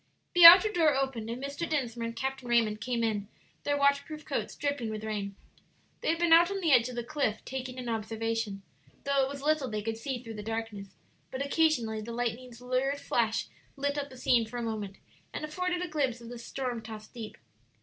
The outer door opened, and Mr. Dinsmore and Captain Raymond came in, their waterproof coats dripping with rain. They had been out on the edge of the cliff taking an observation, though it was little they could see through the darkness; but occasionally the lightning's lurid flash lit up the scene for a moment, and afforded a glimpse of the storm tossed deep.